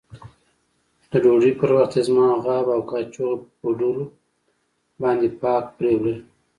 د ډوډۍ پر وخت يې زما غاب او کاشوغه په پوډرو باندې پاک پرېولل.